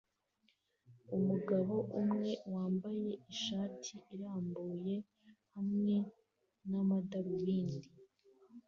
Umugabo umwe wambaye ishati irambuye hamwe n’amadarubindi